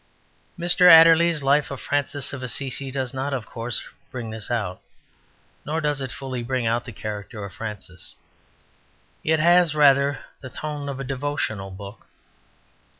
Mr Adderley's life of Francis of Assisi does not, of course, bring this out; nor does it fully bring out the character of Francis. It has rather the tone of a devotional book.